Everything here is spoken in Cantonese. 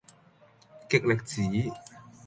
極力子